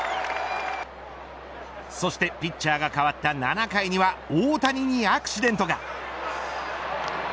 そして、ピッチャーが代わった７回には大谷にアクシデントが。